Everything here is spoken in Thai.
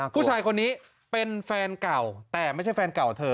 ผู้ชายคนนี้เป็นแฟนเก่าแต่ไม่ใช่แฟนเก่าเธอ